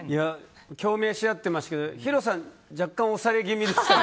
共鳴し合ってましたけどヒロさん若干押され気味でしたね。